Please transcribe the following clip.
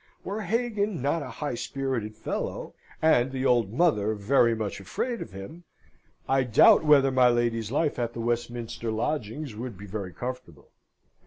Were Hagan not a high spirited fellow, and the old mother very much afraid of him, I doubt whether my lady's life at the Westminster lodgings would be very comfortable.